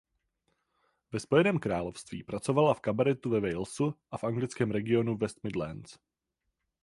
Ve Spojeném království pracovala v kabaretu ve Walesu a v anglickém regionu West Midlands.